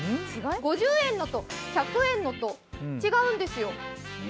５０円のと１００円のと違うんですよ。